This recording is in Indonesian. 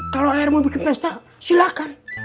kalau air mau bikin pesta silakan